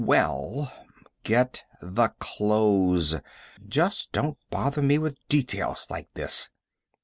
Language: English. "Well " "Get the clothes. Just don't bother me with details like this.